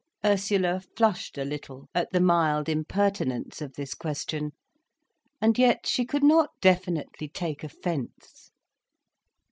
Ursula flushed a little at the mild impertinence of this question. And yet she could not definitely take offence.